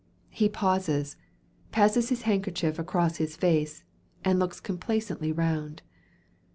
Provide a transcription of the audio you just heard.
He pauses, passes his handkerchief across his face, and looks complacently round.